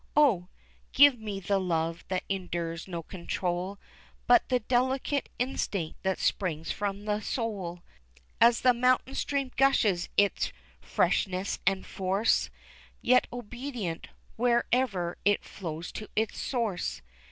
Oh! give me the love that endures no control But the delicate instinct that springs from the soul, As the mountain stream gushes its freshness and force, Yet obedient, wherever it flows to its source.